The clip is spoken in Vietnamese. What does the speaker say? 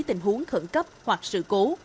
tình huống khẩn cấp hoặc sự cố